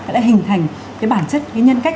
đã hình thành cái bản chất cái nhân cách